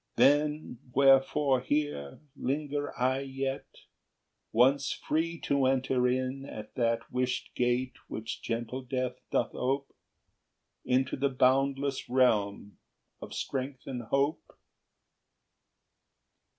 then wherefore here Linger I yet, once free to enter in At that wished gate which gentle Death doth ope, Into the boundless realm of strength and hope?